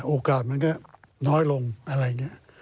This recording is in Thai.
โอกาสมันก็น้อยลง